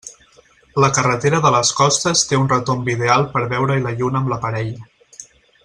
La carretera de les Costes té un retomb ideal per veure-hi la lluna amb la parella.